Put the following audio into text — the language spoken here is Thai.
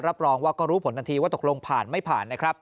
รับรองว่าก็รู้ผลทันทีว่าตกลงผ่านไม่ผ่านนะครับ